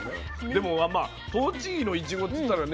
でもまあ栃木のいちごっていったらね